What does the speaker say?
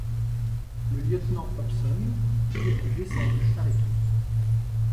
Le lieutenant Hobson y était descendu avec lui.